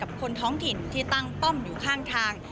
คนท้องถิ่นที่ตั้งป้อมอยู่ข้างทาง